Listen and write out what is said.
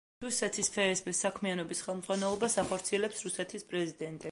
რუსეთის ფსბ-ს საქმიანობის ხელმძღვანელობას ახორციელებს რუსეთის პრეზიდენტი.